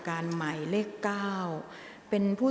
นายโกวิทย์บุญทวีค่ะราชกรรมค่ะราชกรรมค่ะ